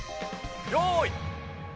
よい。